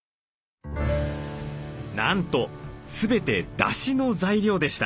なんと全てだしの材料でした。